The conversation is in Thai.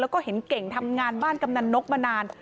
แล้วก็เห็นเก่งทำงานบ้านกำนันนกมานาน